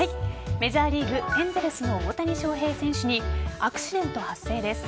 メジャーリーグエンゼルスの大谷翔平選手にアクシデント発生です。